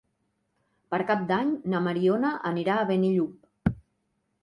Per Cap d'Any na Mariona anirà a Benillup.